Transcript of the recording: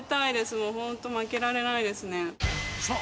もうホント負けられないですねさあ